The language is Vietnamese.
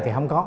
thì không có